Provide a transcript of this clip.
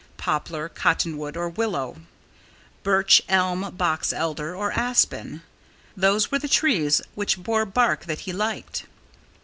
Poplar, cottonwood, or willow; birch, elm, box elder or aspen those were the trees which bore bark that he liked.